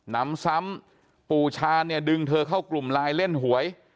นำซ้ำปู่ชาเนี่ยดึงเธอเข้ากลุ่มไลน์เล่นหวย